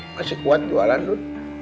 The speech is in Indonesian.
masih kuat jualan lu